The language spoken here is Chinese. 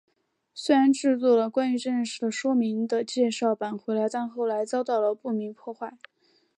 虽然制作了关于这件事的说明的介绍板但后来遭到了不明破坏。